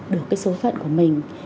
được cái số phận của mình